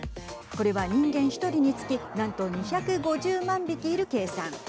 これは人間１人につきなんと２５０万匹いる計算。